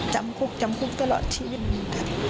จำคุกจำคุกตลอดชีวิตค่ะ